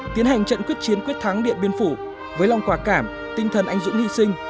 tiến hành trận quyết chiến quyết thắng điện biên phủ với lòng quả cảm tinh thần anh dũng hy sinh